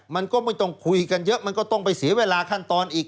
มันก็ไม่ต้องคุยกันเยอะมันก็ต้องไปเสียเวลาขั้นตอนอีก